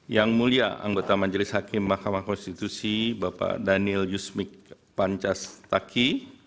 yang mulia anggota majelis hakim mahkamah konstitusi bapak daniel yusmik pancasila